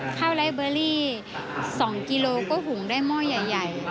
ไรเบอรี่๒กิโลก็หุงได้หม้อใหญ่